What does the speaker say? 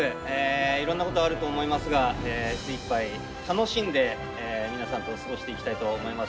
いろんなことあると思いますが精いっぱい楽しんで皆さんと過ごしていきたいと思います。